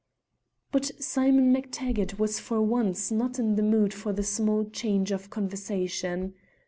But Simon MacTaggart was for once not in the mood for the small change of conversation.